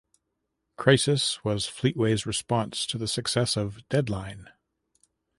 "Crisis" was Fleetway's response to the success of "Deadline".